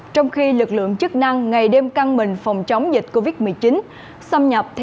trong khi lực lượng chức năng ngày đêm căng mình phòng chống dịch covid một mươi chín xâm nhập